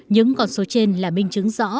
những con số trên là minh chứng rõ